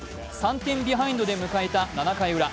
３点ビハインドで迎えた７回ウラ。